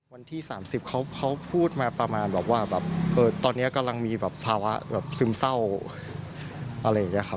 วันที่๓๐เขาพูดมาประมาณว่าตอนนี้กำลังมีภาวะซึมเศร้า